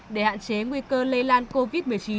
để hạn chế nguy cơ lây lan covid một mươi chín